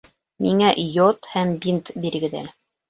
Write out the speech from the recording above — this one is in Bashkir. Миңә йод һәм бинт бирегеҙ әле